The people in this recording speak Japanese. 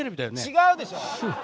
違うでしょ！